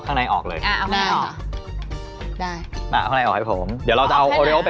ตัวนี้เราก็แช่น้ำมะนาวแหละ